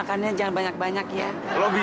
blah blak blour